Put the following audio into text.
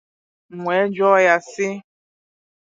M wee jụọ ya sị